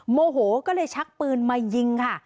โมโหก็เลยชักปืนมายิงค่ะ